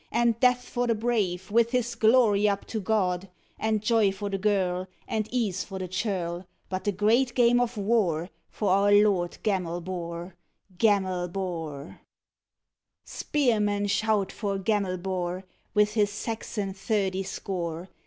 And death for the brave, With his glory up to God! And joy for the girl, And ease for the churl! But the great game of war For our lord Gamelbar, Gamelbar! Spearmen, shout for Gamelbar, With his Saxon thirty score!